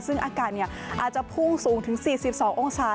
ซึ่งอากาศอาจจะพุ่งสูงถึง๔๒องศา